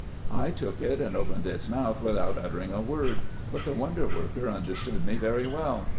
I took it, and opened its mouth without uttering a word ; but the wonder worker understood me very well.